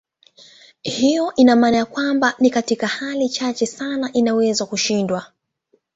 Hiyo ina maana kwamba ni katika hali chache sana inaweza kushindwa.